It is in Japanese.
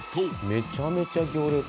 めちゃめちゃ行列。